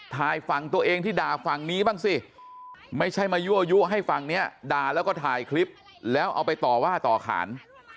ทางฝั่งตัวเองที่ด่าฝั่งนี้บ้างสิไม่ใช่มายั่วยุให้ฝั่งนี้ด่าแล้วก็ถ่ายคลิปแล้วเอาไปต่อว่าต่อขาน